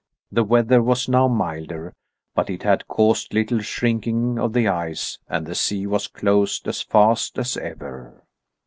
The weather was now milder, but it had caused little shrinking of the ice and the sea was closed as fast as ever.